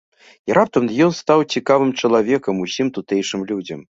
І раптам ён стаў цікавым чалавекам усім тутэйшым людзям.